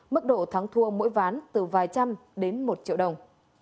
mức độ thắng thua mỗi ván từ vài trăm đến một triệu đồng